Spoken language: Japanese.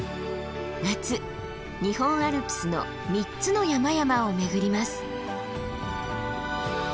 夏日本アルプスの３つの山々を巡ります。